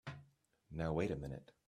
Now wait a minute!